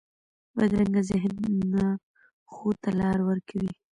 بدرنګه ذهن نه ښو ته لار ورکوي